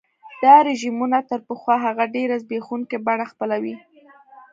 دا رژیمونه تر پخوا هغه ډېره زبېښونکي بڼه خپلوي.